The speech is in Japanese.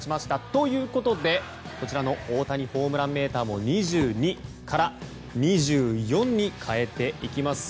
ということで、こちらの大谷ホームランメーターも２２から２４に変えていきます。